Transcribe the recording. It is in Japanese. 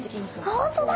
本当だ！